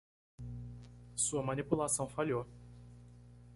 Sua manipulação falhou.